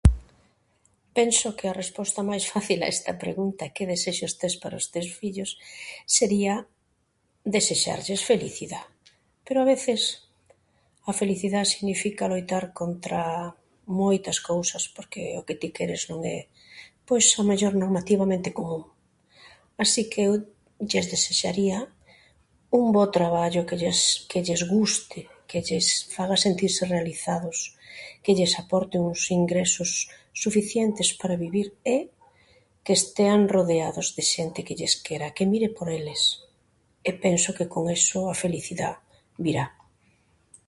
Penso que a resposta máis fácil a esta pregunta: que desexos tes para os teus fillos? sería desexarlles felicidá, pero a veces a felicidá significa loitar contra moitas cousas porque o que ti queres non é, pois o mellor normativamente común, así que eu lles desexaría un bo traballo que lles que lles guste, que lles faga sentirse realizados, que lles aporte uns ingresos suficientes para vivir e que estean rodeados de xente que lles quera, que mire por eles, e penso que con eso a felicidá virá.